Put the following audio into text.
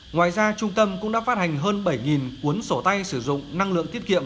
ngoài ra trung tâm cũng đã phát hành hơn bảy quyền sổ tay sử dụng năng lượng tích kiệm